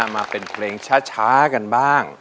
มาเป็นเพลงช้ากันบ้าง